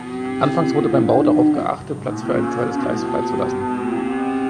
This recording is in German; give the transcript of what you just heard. Anfangs wurde beim Bau darauf geachtet, Platz für ein zweites Gleis freizulassen.